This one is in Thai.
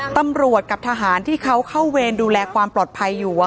ตำรวจกับทหารที่เขาเข้าเวรดูแลความปลอดภัยอยู่